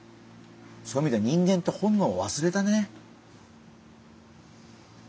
そういう意味では人間って本能を忘れたね。